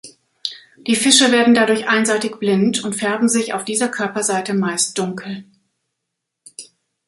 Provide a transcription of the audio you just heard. Die Fische werden dadurch einseitig blind und färben sich auf dieser Körperseite meist dunkel.